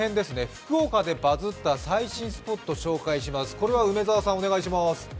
福岡でバズった最新スポット紹介します。